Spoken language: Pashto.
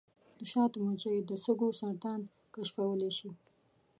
د شاتو مچۍ د سږو سرطان کشفولی شي.